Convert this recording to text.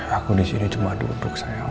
aku disini cuma duduk sayang